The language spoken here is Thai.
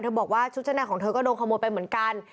บอกว่าชุดชั้นในของเธอก็โดนขโมยไปเหมือนกัน